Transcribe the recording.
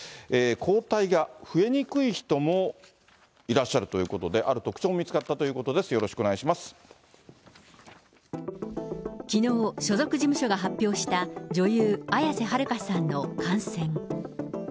抗体が増えにくい人もいらっしゃるということで、ある特徴も見つかったということで、きのう、所属事務所が発表した女優、綾瀬はるかさんの感染。